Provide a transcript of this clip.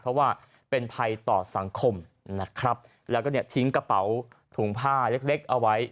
เพราะว่าเป็นภัยต่อสังคมแล้วก็ทิ้งกระเป๋าถุงผ้าเล็กเอาไว้